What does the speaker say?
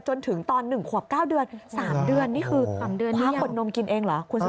จนถึงตอน๑ขวบ๙เดือน๓เดือนนี่คือคว้าขนมกินเองเหรอ